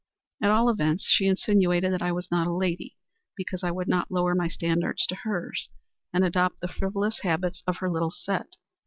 At all events, she insinuated that I was not a lady, because I would not lower my standards to hers, and adopt the frivolous habits of her little set.